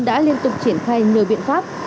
đã liên tục triển khai nhiều biện pháp